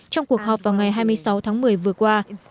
trong cuộc họp vào ngày hai mươi sáu tháng một mươi vừa qua